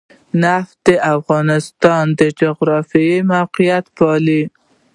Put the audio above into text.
نفت د افغانستان د جغرافیایي موقیعت پایله ده.